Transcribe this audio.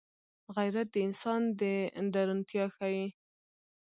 غیرت د انسان درونتيا ښيي